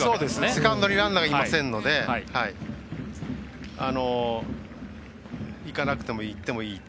セカンドにランナーがいませんので行かなくても行ってもいい。